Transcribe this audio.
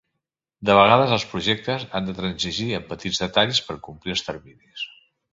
De vegades, els projectes, han de transigir en petits detalls per complir els terminis.